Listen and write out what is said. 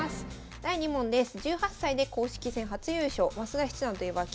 第２問です。え？